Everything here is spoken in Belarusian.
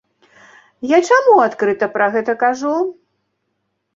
Я чаму адкрыта пра гэта кажу?